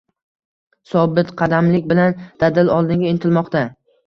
Sobitqadamlik bilan dadil oldinga intilmoqda